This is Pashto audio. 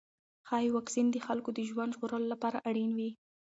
ښايي واکسین د خلکو د ژوند ژغورلو لپاره اړین وي.